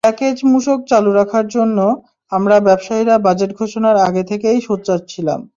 Package মূসক চালু রাখার জন্য আমরা ব্যবসায়ীরা বাজেট ঘোষণার আগে থেকেই সোচ্চার ছিলাম।